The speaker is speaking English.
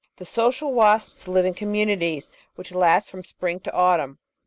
The Social Wasps live in communities which last from spring to autimm.